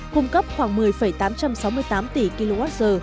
cung cấp khoảng một mươi tám trăm sáu mươi tám tỷ kwh